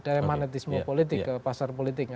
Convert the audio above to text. dari magnetisme politik ke pasar politik